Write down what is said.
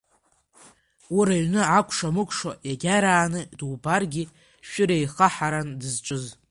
Уи рыҩны акәша-мыкәша иагьарааны дубаргьы шәыр еихаҳаран дызҿыз.